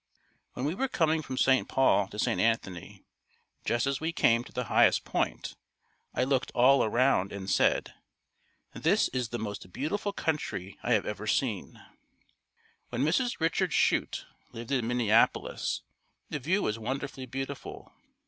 When we were coming from St. Paul to St. Anthony, just as we came to the highest point, I looked all around and said "This is the most beautiful country I have ever seen." Where Mrs. Richard Chute lived in Minneapolis, the view was wonderfully beautiful.